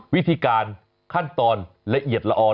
วิธีการขั้นตอนละเอียดละออน